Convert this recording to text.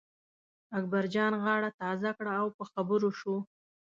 اکبرجان غاړه تازه کړه او په خبرو شو.